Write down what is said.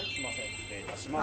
失礼いたします